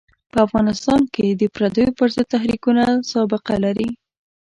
په افغانستان کې د پردیو پر ضد تحریکونه سابقه لري.